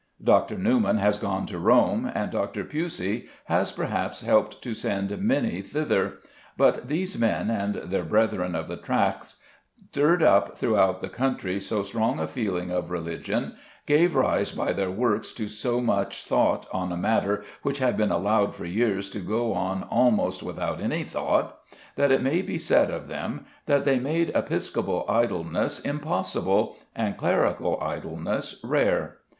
Dr. Newman has gone to Rome, and Dr. Pusey has perhaps helped to send many thither; but these men, and their brethren of the Tracts, stirred up throughout the country so strong a feeling of religion, gave rise by their works to so much thought on a matter which had been allowed for years to go on almost without any thought, that it may be said of them that they made episcopal idleness impossible, and clerical idleness rare.